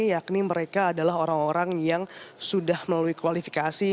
yakni mereka adalah orang orang yang sudah melalui kualifikasi